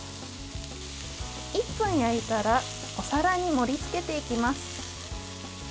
１分焼いたらお皿に盛りつけていきます。